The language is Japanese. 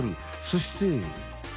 そして。